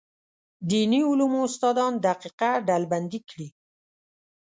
دیني علومو استادان دقیقه ډلبندي کړي.